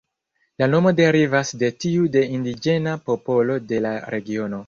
La nomo derivas de tiu de indiĝena popolo de la regiono.